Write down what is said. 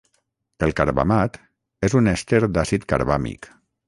El carbamat és un èster d'àcid carbàmic.